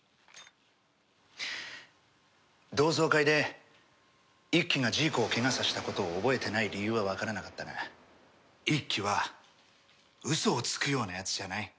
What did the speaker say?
同窓会で一輝がジーコをケガさせたことを覚えてない理由はわからなかったが一輝はウソをつくようなやつじゃない。